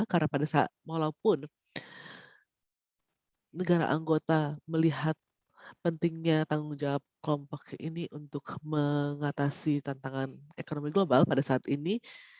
karena pada saat maupun negara anggota melihat pentingnya tanggung jawab kompak ini untuk mengatasi tantangan ekonomi global pada saat ini